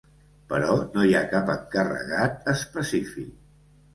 Però no hi ha cap encarregat específic.